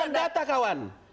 bukan data kawan